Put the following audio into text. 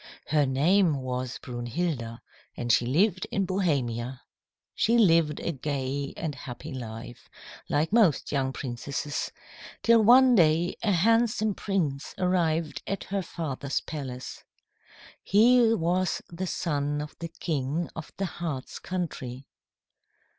Her name was Brunhilda, and she lived in Bohemia. She lived a gay and happy life, like most young princesses, till one day a handsome prince arrived at her father's palace. He was the son of the king of the Hartz country.